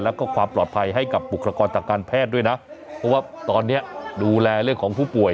แล้วก็ความปลอดภัยให้กับบุคลากรจากการแพทย์ด้วยนะเพราะว่าตอนนี้ดูแลเรื่องของผู้ป่วย